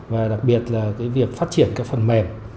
và đặc biệt là cái việc phát triển các phần mềm